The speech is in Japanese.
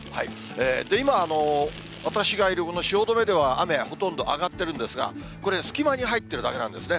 今、私がいるこの汐留では、雨、ほとんど上がっているんですが、これ、隙間に入ってるだけなんですね。